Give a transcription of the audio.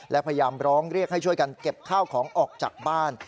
และพยายามร้องเรียกให้ช่วยกันเก็บข้าวของออกจากบ้าน